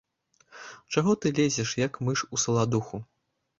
Чаго ты лезеш, як мыш у саладуху?